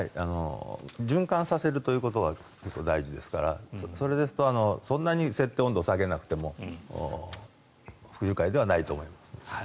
循環させるということは大事ですからそれですと、そんなに設定温度を下げなくても不愉快ではないと思います。